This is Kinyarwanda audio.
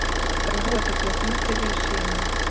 Abakobwa batatu basimbutse bishimye